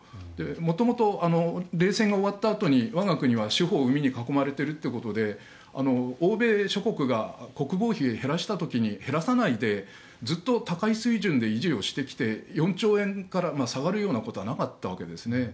元々、冷戦が終わったあとに我が国は四方を海に囲まれているということで欧米諸国が国防費を減らした時に減らさないでずっと高い水準で維持をしてきて４兆円から下がるようなことはなかったわけですね。